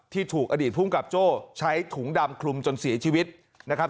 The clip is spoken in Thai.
ที่ถูกอดีตภูมิกับโจ้ใช้ถุงดำคลุมจนเสียชีวิตนะครับ